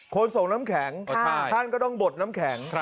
คนส่งน้ำแข็งท่านก็ต้องบดน้ำแข็ง